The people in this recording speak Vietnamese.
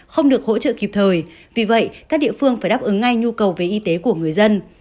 không được hỗ trợ kịp thời vì vậy các địa phương phải đáp ứng ngay nhu cầu về y tế của người dân